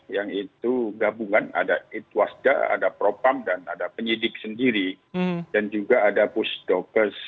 yang itu gabungan ada itwasda ada propam dan ada penyidik sendiri dan juga ada pusdokers